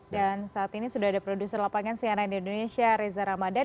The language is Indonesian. dan saat ini sudah ada produser lapangan siaran di indonesia reza ramadan